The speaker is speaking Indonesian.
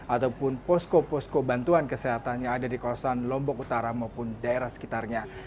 ataupun posko posko bantuan kesehatan yang ada di kawasan lombok utara maupun daerah sekitarnya